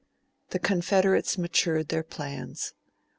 The confederates matured their plans.